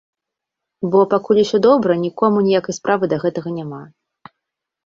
Бо пакуль усё добра, нікому ніякай справы да гэтага няма.